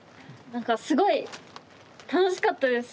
なんか、すごい楽しかったです。